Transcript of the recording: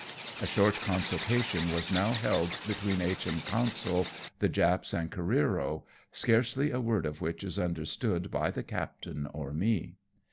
A short consultation was now held between H,M. Consul, the Japs and Careero, scarcely a word of which is understood by the captain or me.